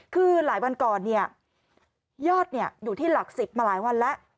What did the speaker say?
คือหลายวันก่อนเนี่ยยอดอยู่ที่หลัก๑๐มาหลายวันแล้ว